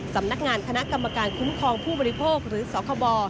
สำนักงานคณะกรรมการคุ้มครองผู้บริโภคหรือสคบ